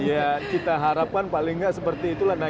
ya kita harapkan paling nggak seperti itulah